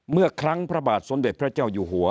เมื่อครั้งพระบาทสมเด็จพระเจ้าอยู่หัว